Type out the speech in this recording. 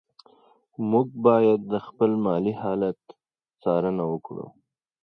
موږ باید د خپل مالي حالت څارنه وکړو.